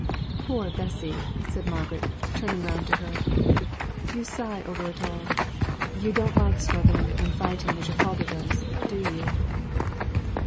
"Poor Bessy!" said Margaret, turning round to her. "You sigh over it all. You don't like struggling and fighting as your father does, do you?"